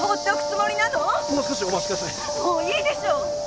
もういいでしょう！